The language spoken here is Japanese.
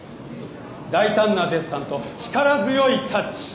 大胆なデッサンと力強いタッチ。